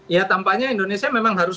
ya tampaknya indonesia memang harus